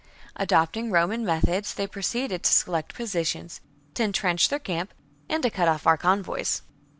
Adopting Roman methods, they proceeded to select positions, to entrench their camp, and to cut off our convoys.